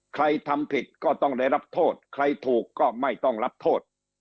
ใครทำผิดก็ต้องได้รับโทษใครถูกก็ไม่ต้องรับโทษ